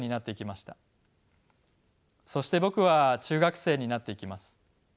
そして僕は中学生になっていきます。